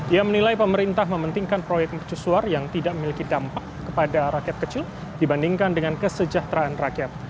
ia menilai pemerintah mementingkan proyek mercusuar yang tidak memiliki dampak kepada rakyat kecil dibandingkan dengan kesejahteraan rakyat